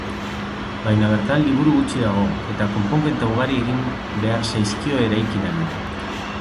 Baina bertan liburu gutxi dago, eta konponketa ugari egin behar zaizkio eraikinari.